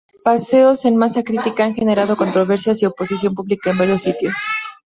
Paseos en Masa Crítica han generado controversia y oposición pública en varios sitios.